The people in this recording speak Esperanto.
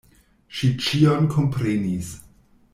Ŝi ĉion komprenis.